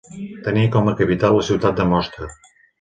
Tenia com a capital la ciutat de Mostar.